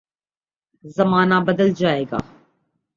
زمانہ بدل جائے گا۔